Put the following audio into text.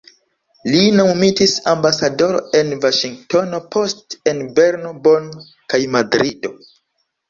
Li nomumitis ambasadoro en Vaŝingtono, poste en Berno, Bonn kaj Madrido.